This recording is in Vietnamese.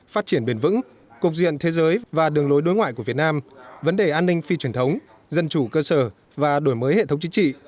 phát triển bền vững cục diện thế giới và đường lối đối ngoại của việt nam vấn đề an ninh phi truyền thống dân chủ cơ sở và đổi mới hệ thống chính trị